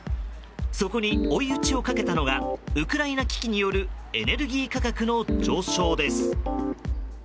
そこに追い打ちをかけたのがウクライナ危機によるエネルギー価格の上昇です。